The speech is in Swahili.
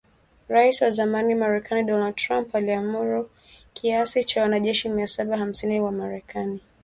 Rais wa zamani Marekani Donald Trump aliamuru kiasi cha wanajeshi mia saba hamsini wa Marekani